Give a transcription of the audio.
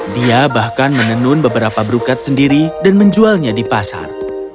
dia bahkan menenun beberapa brukat sendiri dan menjualnya di pasar